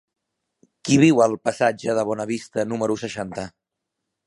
Qui viu al passatge de Bonavista número seixanta?